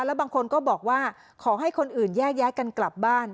แล้วบางคนก็บอกว่าขอให้คนอื่นแยกย้ายกันกลับบ้าน